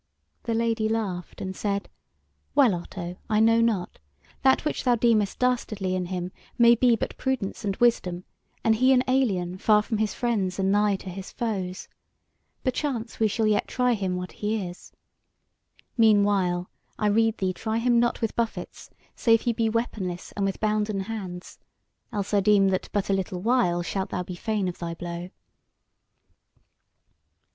The Lady laughed, and said: "Well, Otto, I know not; that which thou deemest dastardy in him may be but prudence and wisdom, and he an alien, far from his friends and nigh to his foes. Perchance we shall yet try him what he is. Meanwhile, I rede thee try him not with buffets, save he be weaponless and with bounden hands; or else I deem that but a little while shalt thou be fain of thy blow."